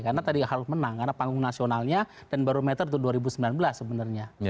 karena tadi harus menang karena panggung nasionalnya dan barometer itu dua ribu sembilan belas sebenarnya